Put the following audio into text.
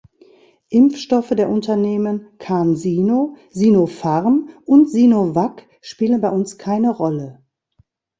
Impfstoffe der Unternehmen CanSino, Sinopharm und Sinovac spielen bei uns keine Rolle.